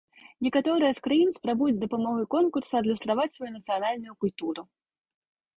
Некаторыя з краін спрабуюць з дапамогай конкурса адлюстраваць сваю нацыянальную культуру.